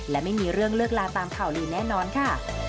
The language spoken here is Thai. และไม่มีเรื่องเลิกลาตามข่าวลือแน่นอนค่ะ